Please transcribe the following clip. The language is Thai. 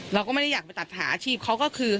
เราก็ไม่ได้อยากไปตัดหาอาชีพเขาก็คือ